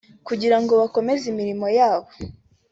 kugira ngo bakomeze imirimo yabo